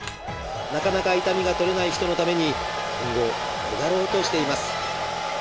なかなか痛みが取れない人のために今後広がろうとしています。